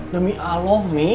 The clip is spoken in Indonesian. demi allah mi